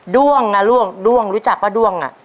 ด้วงล่ะด้วงรู้จักว่าด้วง